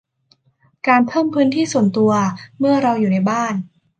การเพิ่มพื้นที่ส่วนตัวเมื่อเราอยู่ในบ้าน